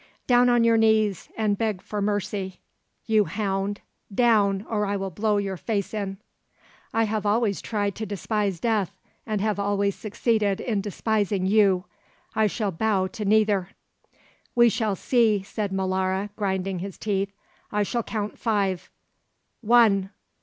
"Down on your knees and beg for mercy, you hound; down, or I will blow your face in!" "I have always tried to despise death, and have always succeeded in despising you. I shall bow to neither." "We shall see," said Molara, grinding his teeth. "I shall count five, one!"